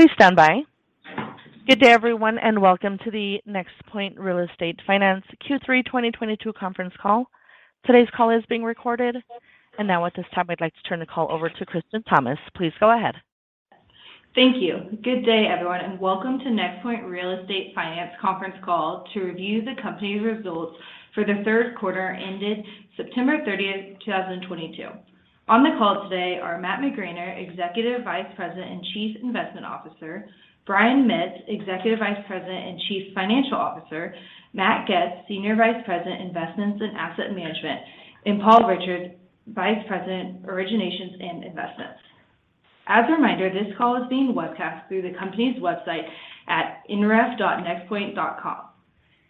Please stand by. Good day, everyone, and welcome to the NexPoint Real Estate Finance Q3 2022 Conference Call. Today's call is being recorded. Now at this time, I'd like to turn the call over to Kristen Thomas. Please go ahead. Thank you. Good day, everyone, and welcome to NexPoint Real Estate Finance Conference Call to review the company's results for the third quarter ended September 30th, 2022. On the call today are Matt McGraner, Executive Vice President and Chief Investment Officer, Brian Mitts, Executive Vice President and Chief Financial Officer, Matt Goetz, Senior Vice President, Investments and Asset Management, and Paul Richards, Vice President, Originations and Investments. As a reminder, this call is being webcast through the company's website at nref.nexpoint.com.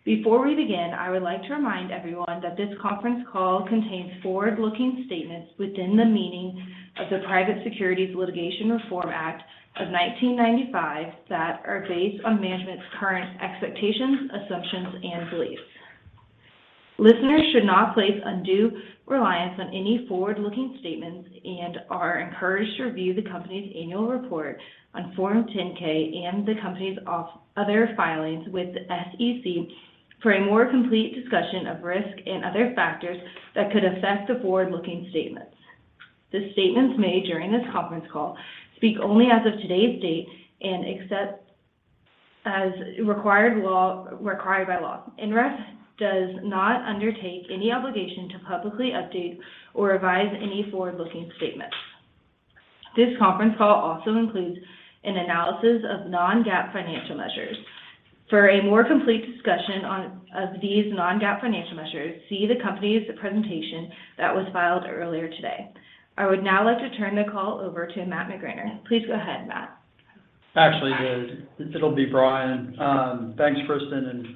Before we begin, I would like to remind everyone that this conference call contains forward-looking statements within the meaning of the Private Securities Litigation Reform Act of 1995 that are based on management's current expectations, assumptions, and beliefs. Listeners should not place undue reliance on any forward-looking statements and are encouraged to review the company's annual report on Form 10-K and the company's other filings with the SEC for a more complete discussion of risk and other factors that could affect the forward-looking statements. The statements made during this conference call speak only as of today's date and except as required by law. NREF does not undertake any obligation to publicly update or revise any forward-looking statements. This conference call also includes an analysis of non-GAAP financial measures. For a more complete discussion of these non-GAAP financial measures, see the company's presentation that was filed earlier today. I would now like to turn the call over to Matt McGraner. Please go ahead, Matt. Actually, it'll be Brian. Thanks, Kristen, and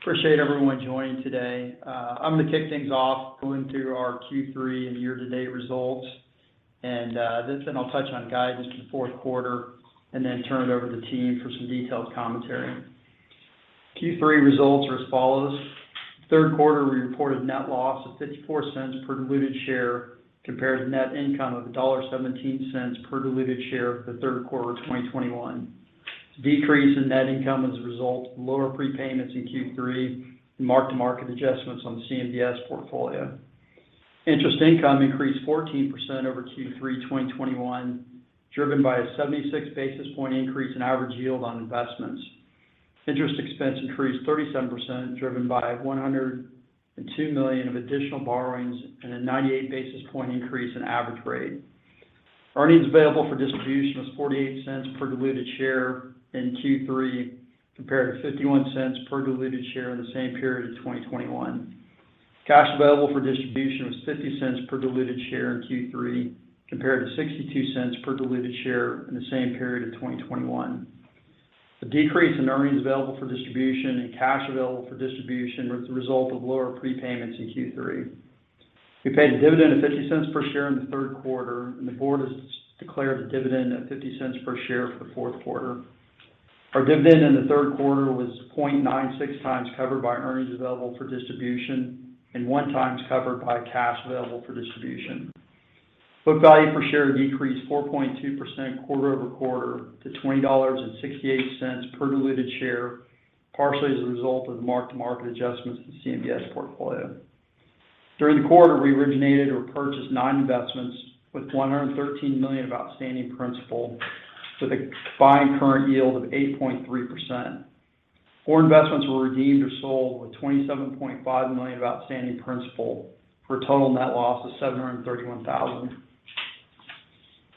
appreciate everyone joining today. I'm gonna kick things off going through our Q3 and year-to-date results. Then I'll touch on guidance for the fourth quarter and then turn it over to the team for some detailed commentary. Q3 results are as follows. Third quarter, we reported net loss of $0.54 per diluted share compared to net income of $1.17 per diluted share for the third quarter of 2021. This decrease in net income is a result of lower prepayments in Q3 and mark-to-market adjustments on the CMBS portfolio. Interest income increased 14% over Q3 2021, driven by a 76 basis point increase in average yield on investments. Interest expense increased 37%, driven by $102 million of additional borrowings and a 98 basis point increase in average rate. Earnings available for distribution was $0.48 per diluted share in Q3, compared to $0.51 per diluted share in the same period of 2021. Cash available for distribution was $0.50 per diluted share in Q3, compared to $0.62 per diluted share in the same period of 2021. The decrease in earnings available for distribution and cash available for distribution was the result of lower prepayments in Q3. We paid a dividend of $0.50 per share in the third quarter, and the board has declared a dividend of $0.50 per share for the fourth quarter. Our dividend in the third quarter was 0.96x covered by Earnings Available for Distribution and 1x covered by Cash Available for Distribution. Book value per share decreased 4.2% quarter-over-quarter to $20.68 per diluted share, partially as a result of the mark-to-market adjustments to the CMBS portfolio. During the quarter, we originated or purchased nine investments with $113 million of outstanding principal to the combined current yield of 8.3%. Four investments were redeemed or sold with $27.5 million of outstanding principal for a total net loss of $731,000.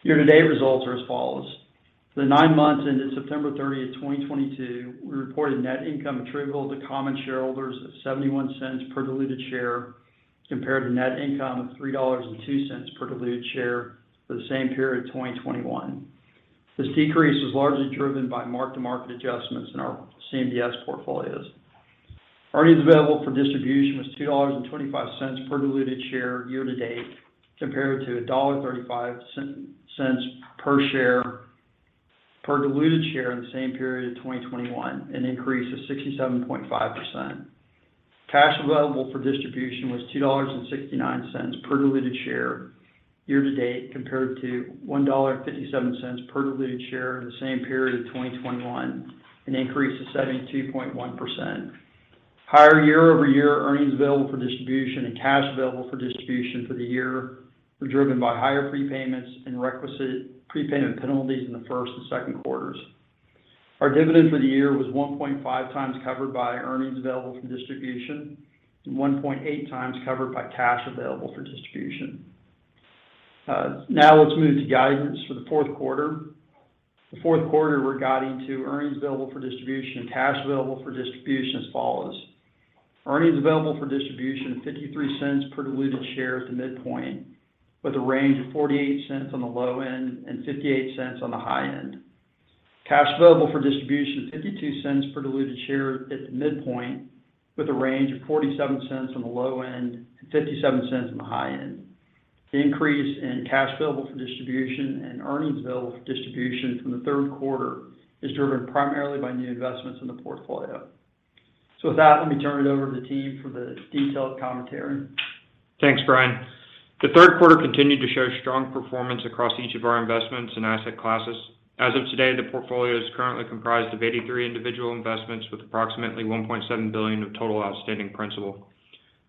Year-to-date results are as follows. For the nine months ended September 30th, 2022, we reported net income attributable to common shareholders of $0.71 per diluted share compared to net income of $3.02 per diluted share for the same period of 2021. This decrease was largely driven by mark-to-market adjustments in our CMBS portfolios. Earnings available for distribution was $2.25 per diluted share year to date, compared to $1.35 per diluted share in the same period of 2021, an increase of 67.5%. Cash Available for Distribution was $2.69 per diluted share year to date, compared to $1.57 per diluted share in the same period of 2021, an increase of 72.1%. Higher year-over-year Earnings Available for Distribution and Cash Available for Distribution for the year were driven by higher prepayments and requisite prepayment penalties in the first and second quarters. Our dividend for the year was 1.5 times covered by Earnings Available for Distribution and 1.8 times covered by Cash Available for Distribution. Now let's move to guidance for the fourth quarter. Fourth quarter guidance regarding Earnings Available for Distribution and Cash Available for Distribution as follows. Earnings Available for Distribution, $0.53 per diluted share at the midpoint, with a range of $0.48-$0.58. Cash Available for Distribution, $0.52 per diluted share at the midpoint, with a range of $0.47-$0.57. The increase in Cash Available for Distribution and Earnings Available for Distribution from the third quarter is driven primarily by new investments in the portfolio. With that, let me turn it over to the team for the detailed commentary. Thanks, Brian. The third quarter continued to show strong performance across each of our investments and asset classes. As of today, the portfolio is currently comprised of 83 individual investments with approximately $1.7 billion of total outstanding principal.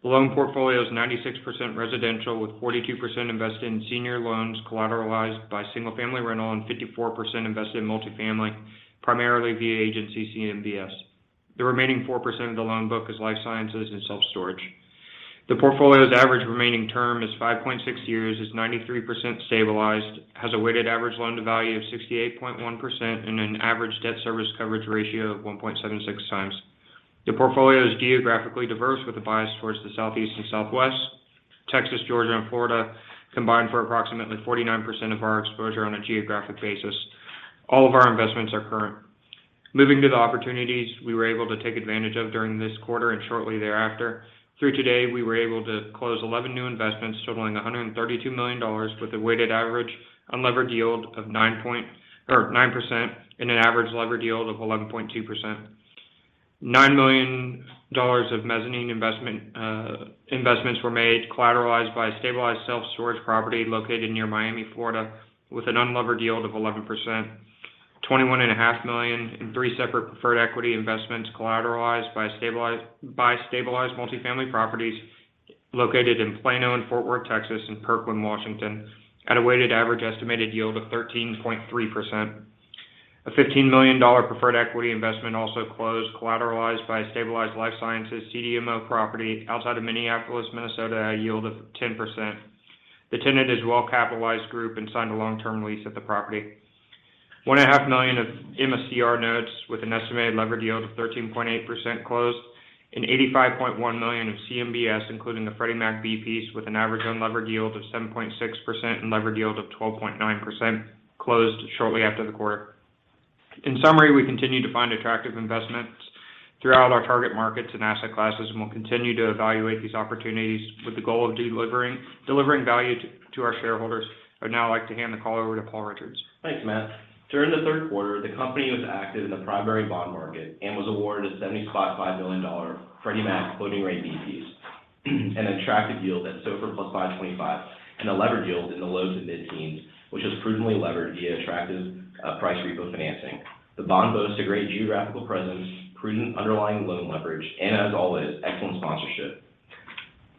The loan portfolio is 96% residential, with 42% invested in senior loans collateralized by single-family rental and 54% invested in multifamily, primarily via agency CMBS. The remaining 4% of the loan book is life sciences and self-storage. The portfolio's average remaining term is 5.6 years, is 93% stabilized, has a weighted average loan to value of 68.1% and an average debt service coverage ratio of 1.76 times. The portfolio is geographically diverse with a bias towards the Southeast and Southwest. Texas, Georgia and Florida combined for approximately 49% of our exposure on a geographic basis. All of our investments are current. Moving to the opportunities we were able to take advantage of during this quarter and shortly thereafter. Through today, we were able to close 11 new investments totaling $132 million with a weighted average unlevered yield of 9% and an average levered yield of 11.2%. $9 million of mezzanine investments were made collateralized by a stabilized self-storage property located near Miami, Florida with an unlevered yield of 11%. $21.5 million in three separate preferred equity investments collateralized by stabilized multifamily properties located in Plano and Fort Worth, Texas and Kirkland, Washington at a weighted average estimated yield of 13.3%. A $15 million preferred equity investment also closed, collateralized by a stabilized life sciences CDMO property outside of Minneapolis, Minnesota, at a yield of 10%. The tenant is a well-capitalized group and signed a long-term lease at the property. $1.5 million of MSCR notes with an estimated levered yield of 13.8% closed, and $85.1 million of CMBS, including the Freddie Mac B-piece with an average unlevered yield of 7.6% and levered yield of 12.9% closed shortly after the quarter. In summary, we continue to find attractive investments throughout our target markets and asset classes, and we'll continue to evaluate these opportunities with the goal of delivering value to our shareholders. I'd now like to hand the call over to Paul Richards. Thanks, Matt. During the third quarter, the company was active in the primary bond market and was awarded a $75 million Freddie Mac floating rate B-piece, an attractive yield at SOFR + 525 and a levered yield in the low to mid-teens, which was prudently levered via attractive priced repo financing. The bond boasts a great geographical presence, prudent underlying loan leverage, and as always, excellent sponsorship.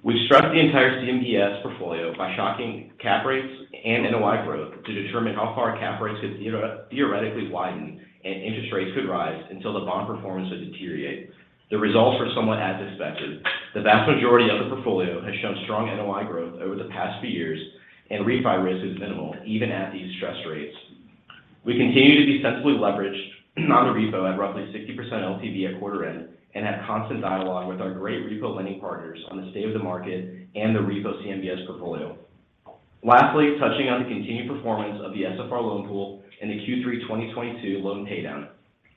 We've stressed the entire CMBS portfolio by shocking cap rates and NOI growth to determine how far cap rates could theoretically widen and interest rates could rise until the bond performance would deteriorate. The results were somewhat as expected. The vast majority of the portfolio has shown strong NOI growth over the past few years, and refi risk is minimal even at these stress rates. We continue to be sensibly leveraged on the repo at roughly 60% LTV at quarter end and have constant dialogue with our great repo lending partners on the state of the market and the repo CMBS portfolio. Lastly, touching on the continued performance of the SFR loan pool and the Q3 2022 loan paydown.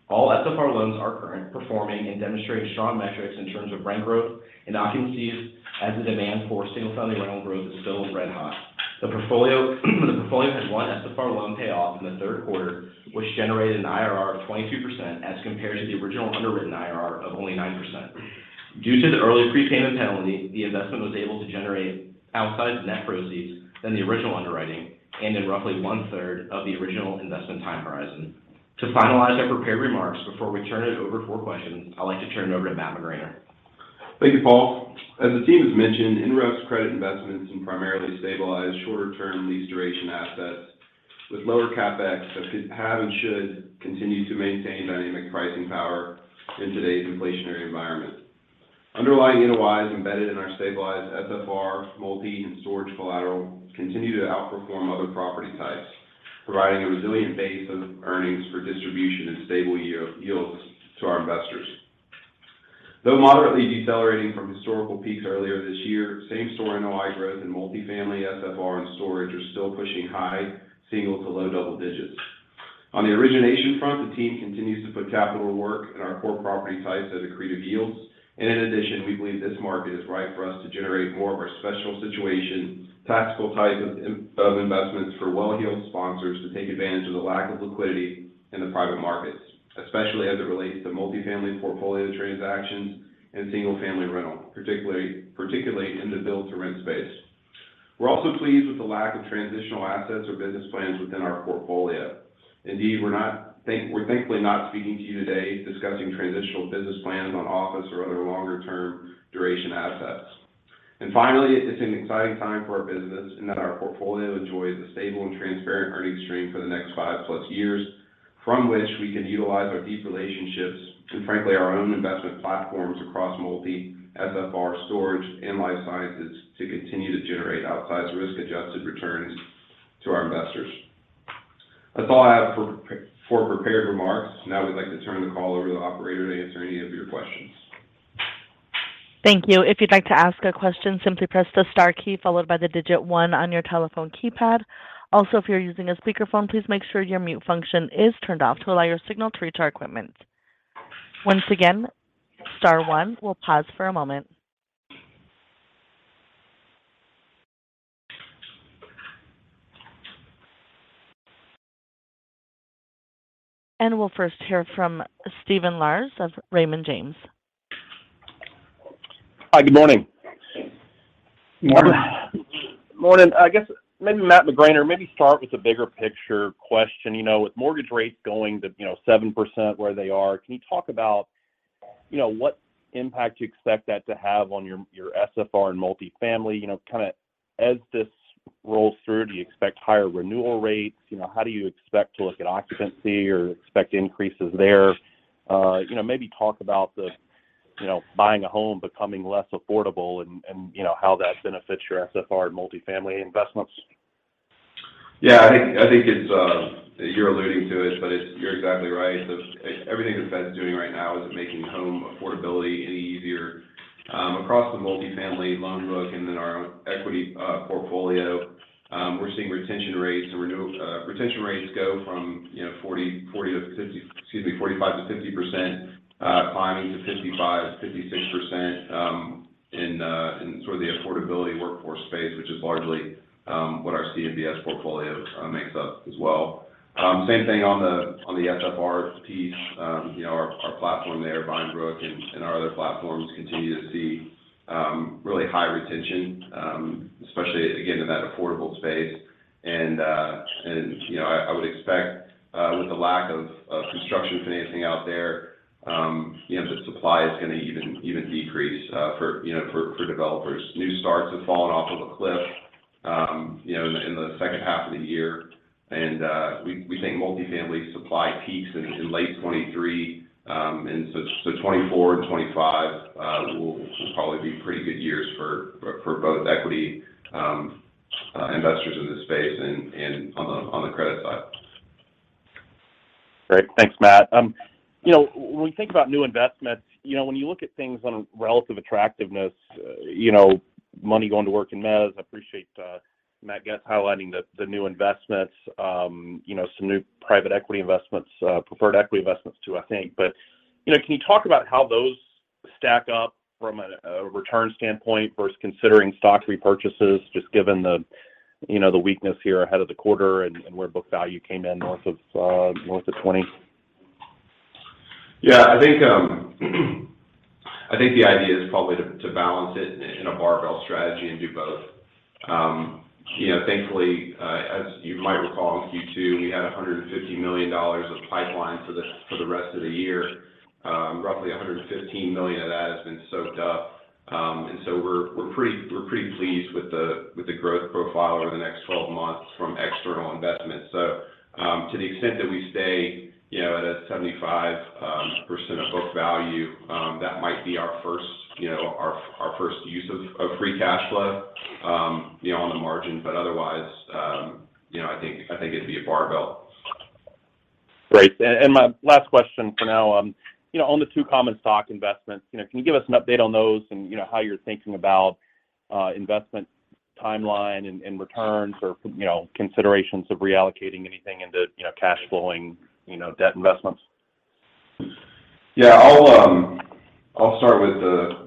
All SFR loans are current, performing and demonstrating strong metrics in terms of rent growth and occupancies as the demand for single-family rental growth is still red-hot. The portfolio had one SFR loan payoff in the third quarter, which generated an IRR of 22% as compared to the original underwritten IRR of only 9%. Due to the early prepayment penalty, the investment was able to generate outsized net proceeds than the original underwriting and in roughly one-third of the original investment time horizon. To finalize our prepared remarks before we turn it over for questions, I'd like to turn it over to Matt McGraner. Thank you, Paul. As the team has mentioned, NREF's credit investments in primarily stabilized shorter-term lease duration assets with lower CapEx that could have and should continue to maintain dynamic pricing power in today's inflationary environment. Underlying NOIs embedded in our stabilized SFR, multi and storage collateral continue to outperform other property types, providing a resilient base of earnings for distribution and stable yields to our investors. Though moderately decelerating from historical peaks earlier this year, same-store NOI growth in multifamily, SFR and storage are still pushing high single to low double digits. On the origination front, the team continues to put capital to work in our core property types at accretive yields. In addition, we believe this market is right for us to generate more of our special situation, tactical type of investments for well-heeled sponsors to take advantage of the lack of liquidity in the private markets. Especially as it relates to multifamily portfolio transactions and single-family rental, particularly in the build-to-rent space. We're also pleased with the lack of transitional assets or business plans within our portfolio. Indeed, we're thankfully not speaking to you today discussing transitional business plans on office or other longer-term duration assets. Finally, it's an exciting time for our business in that our portfolio enjoys a stable and transparent earnings stream for the next five-plus years. From which we can utilize our deep relationships and frankly, our own investment platforms across multi, SFR, storage and life sciences to continue to generate outsized risk-adjusted returns to our investors. That's all I have for prepared remarks. Now we'd like to turn the call over to the operator to answer any of your questions. Thank you. If you'd like to ask a question, simply press the star key followed by the digit one on your telephone keypad. Also, if you're using a speakerphone, please make sure your mute function is turned off to allow your signal through to our equipment. Once again, star one. We'll pause for a moment. We'll first hear from Stephen Laws of Raymond James. Hi, good morning. Morning. Morning. I guess maybe Matt McGraner, or maybe start with the bigger picture question. You know, with mortgage rates going to, you know, 7% where they are, can you talk about, you know, what impact you expect that to have on your SFR and multifamily? You know, kind of as this rolls through, do you expect higher renewal rates? You know, how do you expect to look at occupancy or expect increases there? You know, maybe talk about the, you know, buying a home becoming less affordable and how that benefits your SFR and multifamily investments. Yeah. I think it's you're alluding to it, but it's you're exactly right. Everything the Fed's doing right now isn't making home affordability any easier. Across the multifamily loan book and then our own equity portfolio, we're seeing retention rates go from, you know, 45%-50%, climbing to 55%-56% in sort of the affordability workforce space, which is largely what our SFRs portfolio makes up as well. Same thing on the SFR piece. You know, our platform there, VineBrook, and our other platforms continue to see really high retention, especially again in that affordable space. You know, I would expect with the lack of construction financing out there, you know, the supply is gonna even decrease for you know, for developers. New starts have fallen off of a cliff, you know, in the second half of the year. We think multifamily supply peaks in late 2023. 2024 and 2025 will probably be pretty good years for both equity investors in this space and on the credit side. Great. Thanks, Matt. You know, when we think about new investments, you know, when you look at things on a relative attractiveness, you know, money going to work in mezz, I appreciate Matt Goetz highlighting the new investments, you know, some new private equity investments, preferred equity investments too, I think. You know, can you talk about how those stack up from a return standpoint versus considering stock repurchases, just given the, you know, the weakness here ahead of the quarter and where book value came in north of $20? Yeah. I think the idea is probably to balance it in a barbell strategy and do both. You know, thankfully, as you might recall, in Q2, we had $150 million of pipeline for the rest of the year. Roughly $115 million of that has been soaked up. We're pretty pleased with the growth profile over the next 12 months from external investments. To the extent that we stay, you know, at 75% of book value, that might be our first, you know, our first use of free cash flow, you know, on the margin. Otherwise, you know, I think it'd be a barbell. Great. My last question for now. You know, on the two common stock investments, you know, can you give us an update on those and, you know, how you're thinking about investment timeline and returns or, you know, considerations of reallocating anything into, you know, cash flowing, you know, debt investments? Yeah. I'll start with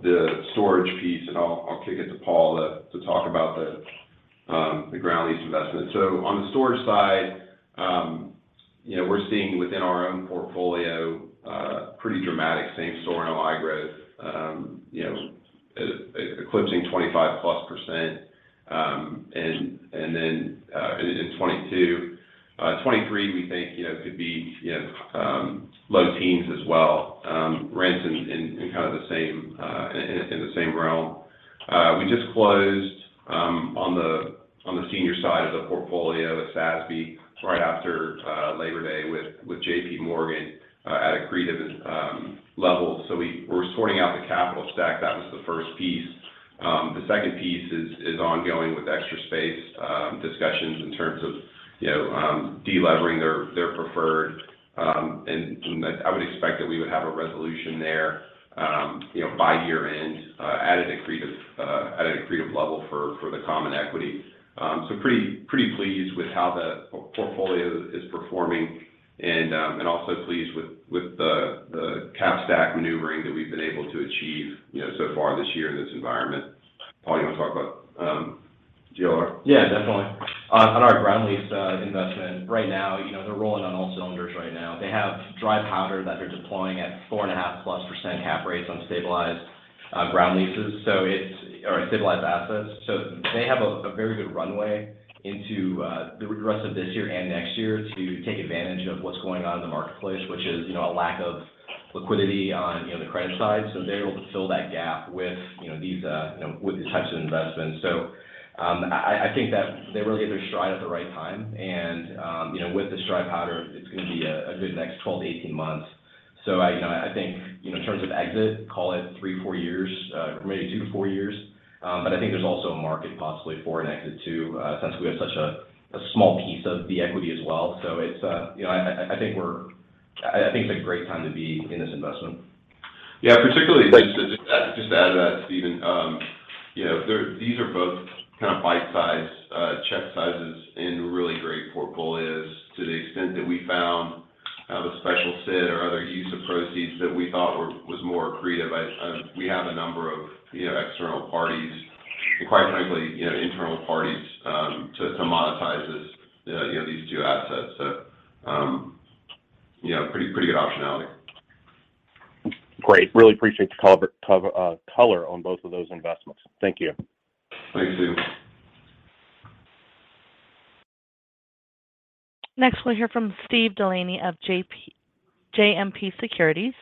the storage piece, and I'll kick it to Paul to talk about the ground lease investment. On the storage side, you know, we're seeing within our own portfolio pretty dramatic same-store NOI growth, you know, eclipsing 25+%, and then in 2022. 2023, we think, you know, could be, you know, low teens as well, rents in kind of the same realm. We just closed on the senior side of the portfolio at SASB right after Labor Day with JPMorgan at accretive levels. We're sorting out the capital stack. That was the first piece. The second piece is ongoing with Extra Space Storage discussions in terms of, you know, delevering their preferred, and I would expect that we would have a resolution there, you know, by year-end, at an accretive level for the common equity. So pretty pleased with how the portfolio is performing and also pleased with the cap stack maneuvering that we've been able to achieve, you know, so far this year in this environment. Paul, you wanna talk about GLR? Yeah, definitely. On our ground lease investment, right now, you know, they're rolling on all cylinders right now. They have dry powder that they're deploying at 4.5%+ cap rates on stabilized ground leases or stabilized assets. They have a very good runway into the rest of this year and next year to take advantage of what's going on in the marketplace, which is, you know, a lack of liquidity on the credit side. They're able to fill that gap with these types of investments. I think that they really hit their stride at the right time. With this dry powder, it's gonna be a good next 12-18 months. I think, you know, in terms of exit, call it three-four years, maybe two-four years. But I think there's also a market possibly for an exit too, since we have such a small piece of the equity as well. It's, you know, I think it's a great time to be in this investment. Yeah. Thanks. Just to add to that, Stephen, you know, these are both kind of bite-size check sizes in really great portfolios to the extent that we found the special side or other use of proceeds that we thought was more accretive. We have a number of, you know, external parties and quite frankly, you know, internal parties to monetize, you know, these two assets. You know, pretty good optionality. Great. Really appreciate the color on both of those investments. Thank you. Thanks, Stephen. Next, we'll hear from Steve Delaney of JMP Securities.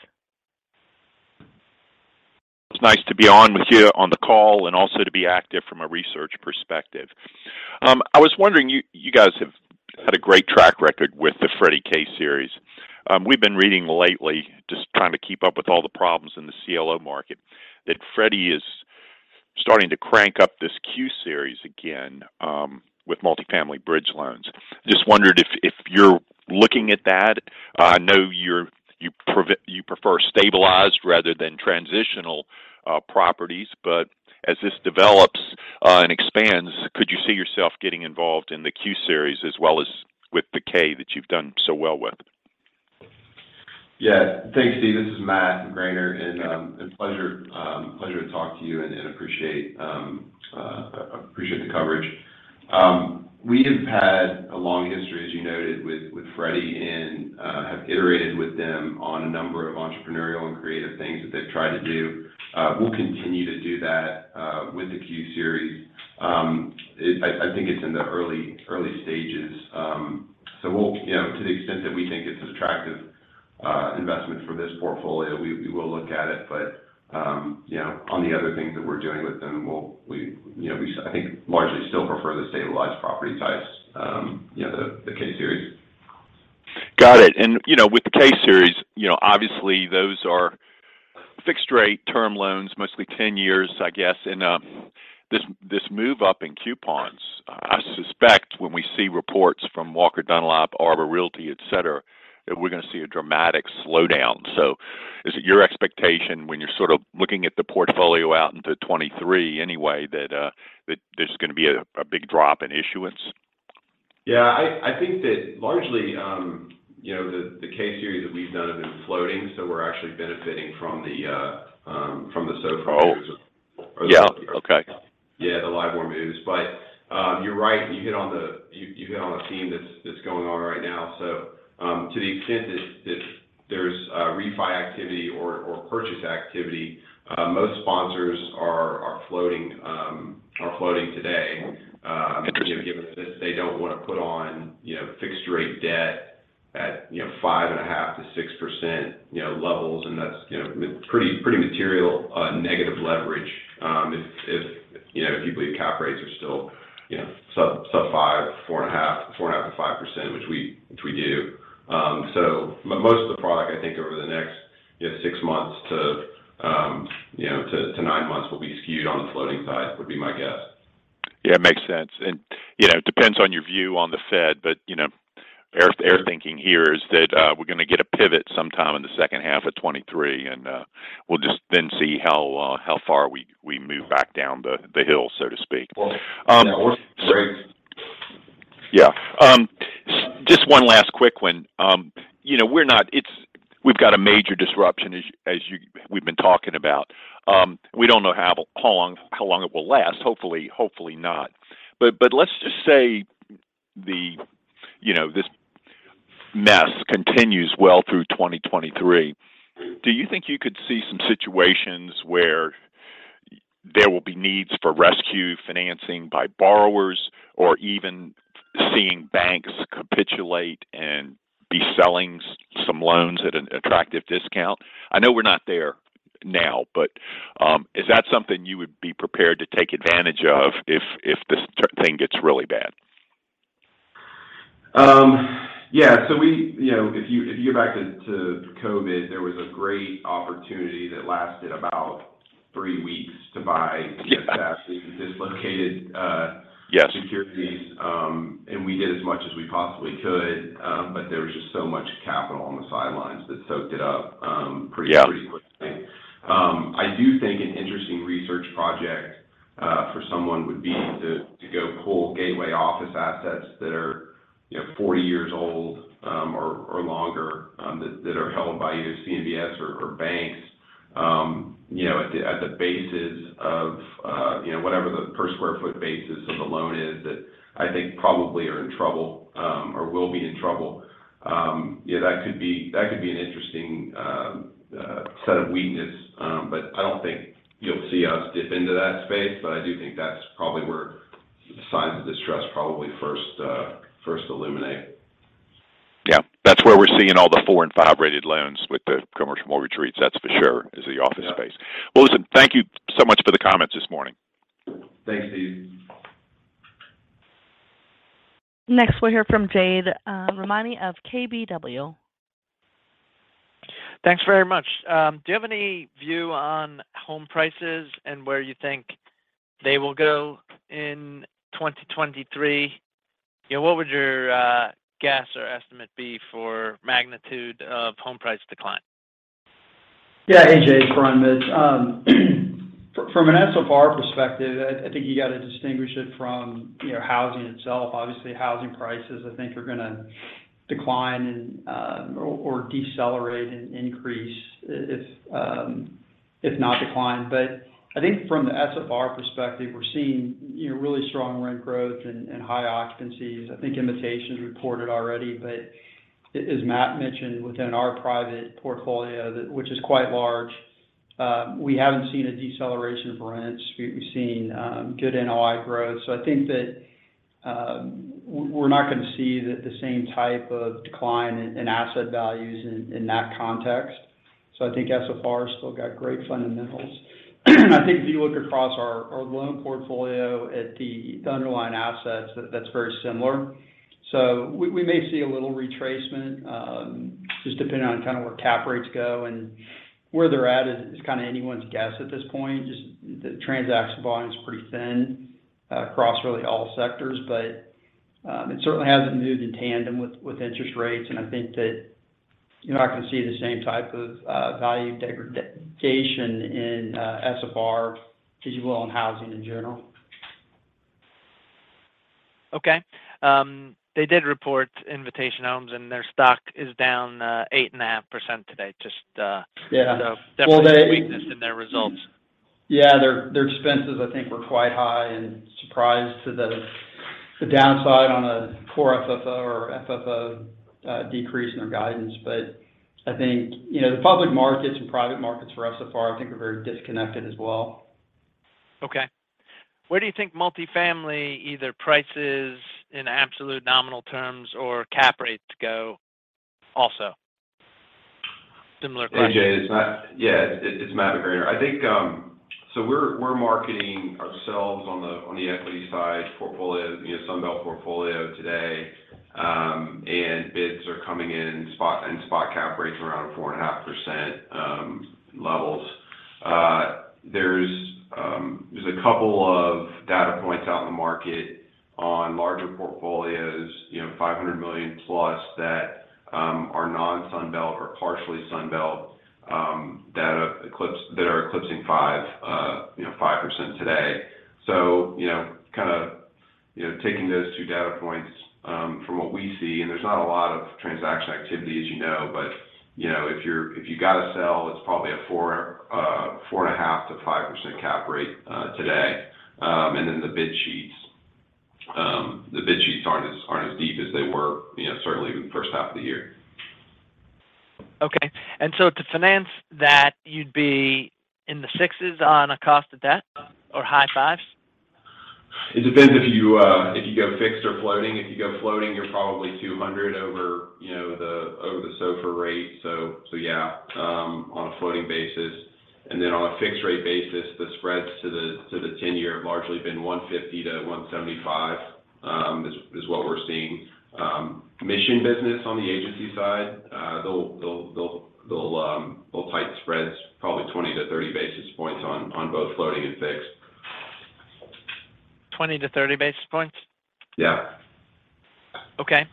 It's nice to be on with you on the call and also to be active from a research perspective. I was wondering, you guys have had a great track record with the Freddie Mac K-Series. We've been reading lately, just trying to keep up with all the problems in the CLO market, that Freddie is starting to crank up this Q-series again, with multifamily bridge loans. Just wondered if you're looking at that. I know you prefer stabilized rather than transitional properties. As this develops and expands, could you see yourself getting involved in the Q-series as well as with the K that you've done so well with? Yeah. Thanks, Steve. This is Matt McGraner. A pleasure to talk to you and appreciate the coverage. We have had a long history, as you noted, with Freddie Mac and have iterated with them on a number of entrepreneurial and creative things that they've tried to do. We'll continue to do that with the Q series. I think it's in the early stages. You know, to the extent that we think it's attractive investment for this portfolio, we will look at it. You know, on the other things that we're doing with them, we, I think, largely still prefer the stabilized property types, you know, the K series. Got it. You know, with the K series, you know, obviously those are fixed rate term loans, mostly 10 years, I guess. This move up in coupons, I suspect when we see reports from Walker & Dunlop, Arbor Realty, et cetera, that we're gonna see a dramatic slowdown. Is it your expectation when you're sort of looking at the portfolio out into 2023 anyway that there's gonna be a big drop in issuance? Yeah. I think that largely, you know, the K-series that we've done have been floating, so we're actually benefiting from the SOFR- Oh. Yeah. Okay. Yeah, the LIBOR moves. You're right. You hit on a theme that's going on right now. To the extent that there's refi activity or purchase activity, most sponsors are floating today. Gotcha. You know, given that they don't wanna put on, you know, fixed rate debt at, you know, 5.5%-6% levels, and that's, you know, pretty material negative leverage, if you know, if you believe cap rates are still, you know, sub 5, 4.5%-5%, which we do. Most of the product, I think, over the next, you know, six months to nine months will be skewed on the floating side, would be my guess. Yeah, makes sense. You know, it depends on your view on the Fed, but you know, our thinking here is that we're gonna get a pivot sometime in the second half of 2023, and we'll just then see how far we move back down the hill, so to speak. Yeah. Yeah. Just one last quick one. You know, we've got a major disruption as we've been talking about. We don't know how long it will last. Hopefully not. Let's just say you know, this mess continues well through 2023. Do you think you could see some situations where there will be needs for rescue financing by borrowers or even seeing banks capitulate and be selling some loans at an attractive discount? I know we're not there now, but is that something you would be prepared to take advantage of if this thing gets really bad? Yeah. You know, if you go back to COVID, there was a great opportunity that lasted about three weeks to buy. Yeah. -dislocated, uh- Yes... securities. We did as much as we possibly could, but there was just so much capital on the sidelines that soaked it up, pretty. Yeah... pretty quickly. I do think an interesting research project for someone would be to go pull gateway office assets that are, you know, 40 years old or longer that are held by either CMBS or banks, you know, at the bases of whatever the per square foot basis of the loan is that I think probably are in trouble or will be in trouble. Yeah, that could be an interesting set of weakness. I don't think you'll see us dip into that space, but I do think that's probably where signs of distress probably first illuminate. Yeah. That's where we're seeing all the four and five rated loans with the commercial mortgage rates, that's for sure, is the office space. Well, listen, thank you so much for the comments this morning. Thanks, Steve. Next, we'll hear from Jade Rahmani of KBW. Thanks very much. Do you have any view on home prices and where you think they will go in 2023? You know, what would your guess or estimate be for magnitude of home price decline? Yeah. Hey, Jade. Brian Mitts. From an SOFR perspective, I think you got to distinguish it from, you know, housing itself. Obviously, housing prices I think are gonna decline and, or decelerate and increase if, If not decline. I think from the SFR perspective, we're seeing, you know, really strong rent growth and high occupancies. I think Invitation Homes has reported already. As Matt mentioned, within our private portfolio, which is quite large, we haven't seen a deceleration of rents. We've seen good NOI growth. I think that we're not gonna see the same type of decline in asset values in that context. I think SFR has still got great fundamentals. I think if you look across our loan portfolio at the underlying assets, that's very similar. We may see a little retracement just depending on kinda where cap rates go and where they're at is kinda anyone's guess at this point. Just the transaction volume is pretty thin across really all sectors. It certainly hasn't moved in tandem with interest rates. I think that, you know, I can see the same type of value degradation in SFR as you will in housing in general. Okay. They did report Invitation Homes, and their stock is down 8.5% today. Just, Yeah. So definitely- Well, Weakness in their results. Yeah. Their expenses I think were quite high and surprised to the downside on a Core FFO or FFO decrease in their guidance. I think, you know, the public markets and private markets for SFR I think are very disconnected as well. Okay. Where do you think multifamily either prices in absolute nominal terms or cap rates go also? Similar question. AJ, it's Matt McGraner. I think we're marketing ourselves on the equity side portfolio, you know, Sunbelt portfolio today, and bids are coming in in spot cap rates around 4.5%, levels. There's a couple of data points out in the market on larger portfolios, you know, $500 million-plus that are non-Sunbelt or partially Sunbelt that are eclipsing 5%, you know, 5% today. You know, kinda, you know, taking those two data points from what we see, and there's not a lot of transaction activity as you know, but, you know, if you gotta sell, it's probably a 4.5%-5% cap rate today. And then the bid sheets. The bid sheets aren't as deep as they were, you know, certainly in the first half of the year. To finance that, you'd be in the sixes on a cost of debt or high fives? It depends if you go fixed or floating. If you go floating, you're probably 200 over, you know, over the SOFR rate. Yeah, on a floating basis. Then on a fixed rate basis, the spreads to the 10-year have largely been 150-175 is what we're seeing. In this business on the agency side, they'll tighten spreads probably 20-30 basis points on both floating and fixed. 20-30 basis points? Yeah. Okay.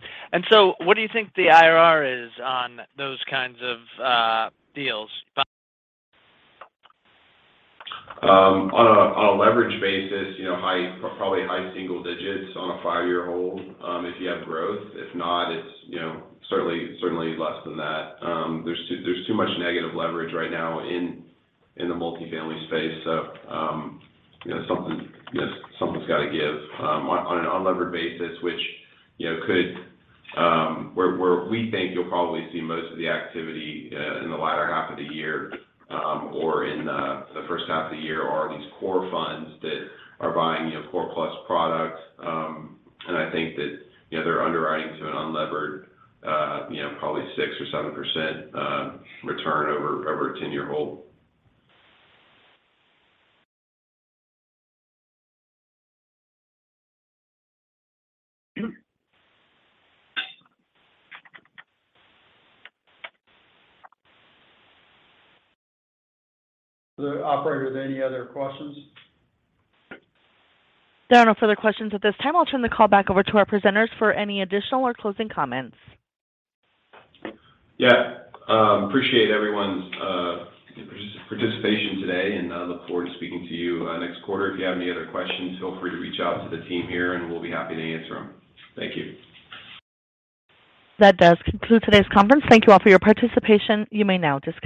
What do you think the IRR is on those kinds of deals? On a leverage basis, you know, high, probably high single digits on a five-year hold, if you have growth. If not, it's you know, certainly less than that. There's too much negative leverage right now in the multifamily space, so you know, something's gotta give. On an unlevered basis, where we think you'll probably see most of the activity in the latter half of the year or in the first half of the year are these core funds that are buying you know, core plus products. I think that you know, they're underwriting to an unlevered you know, probably 6% or 7% return over a 10-year hold. Thank you. Operator, are there any other questions? There are no further questions at this time. I'll turn the call back over to our presenters for any additional or closing comments. Yeah. Appreciate everyone's participation today, and I look forward to speaking to you next quarter. If you have any other questions, feel free to reach out to the team here, and we'll be happy to answer them. Thank you. That does conclude today's conference. Thank you all for your participation. You may now disconnect.